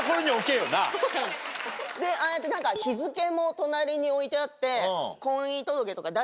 ああやって日付も隣に置いてあって。